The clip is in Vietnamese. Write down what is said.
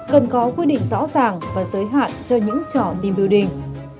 cần có quy định rõ ràng và giới hạn cho những trò team building